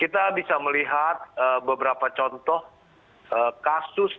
kita bisa melihat beberapa contoh kasus